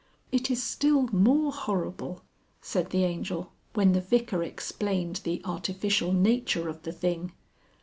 "It is still more horrible," said the Angel when the Vicar explained the artificial nature of the thing.